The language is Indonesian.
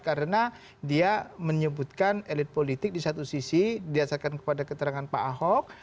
karena dia menyebutkan elit politik di satu sisi diasarkan kepada keterangan pak ahok